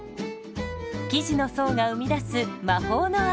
生地の層が生み出す魔法の味。